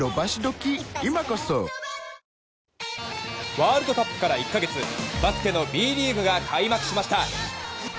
ワールドカップから１か月バスケのＢリーグが開幕しました。